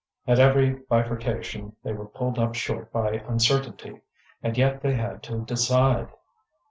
At every bifurcation they were pulled up short by uncertainty, and yet they had to decide.